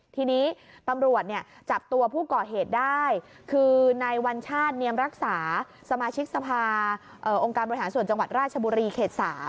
ทีนี้ตำรวจจับตัวผู้ก่อเหตุได้คือนายวัญชาติเนียมรักษาสมาชิกสภาองค์การบริหารส่วนจังหวัดราชบุรีเขต๓